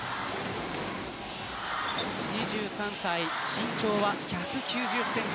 ２３歳、身長は１９０センチ